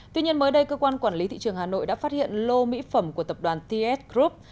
tuy nhiên mới đây cơ quan quản lý thị trường hà nội đã phát hiện lô mỹ phẩm của tập đoàn ts group